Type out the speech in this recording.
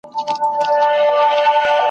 ډېر نیژدې وو چي له لوږي سر کړي ساندي !.